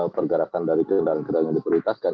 pergerakan dari kendaraan kendaraan yang diprioritaskan